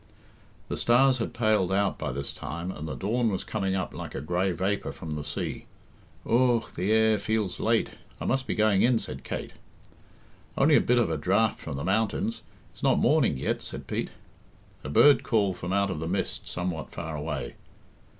The stars had paled out by this time, and the dawn was coming up like a grey vapour from the sea. "Ugh! the air feels late; I must be going in," said Kate. "Only a bit of a draught from the mountains it's not morning yet," said Pete. A bird called from out of the mist somewhat far away.